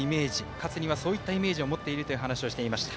勝つにはそういうイメージを持っているという話をしていました。